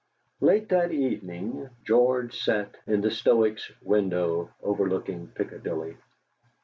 Late that evening George sat in the Stoics' window overlooking Piccadilly.